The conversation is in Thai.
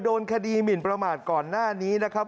โดนคดีหมินประมาทก่อนหน้านี้นะครับ